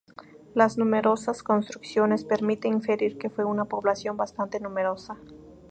Las numerosas construcciones permiten inferir que fue una población bastante numerosa.